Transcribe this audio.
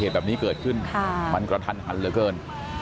แบบนี้เกิดขึ้นมันกระทันหันเหลือเกิน